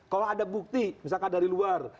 kalau ada bukti misalkan dari luar